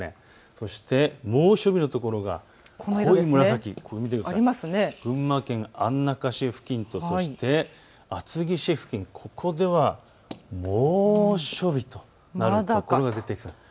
そして猛暑日のところが濃い紫、群馬県安中市付近と厚木市付近、ここでは猛暑日となる所が出てきます。